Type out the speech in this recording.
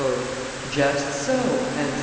"Just so," answered M.